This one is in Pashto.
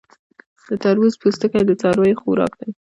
د تربوز پوستکی د څارویو خوراک دی.